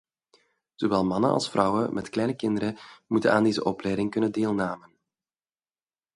Zowel mannen als vrouwen met kleine kinderen moeten aan deze opleiding kunnen deelnamen.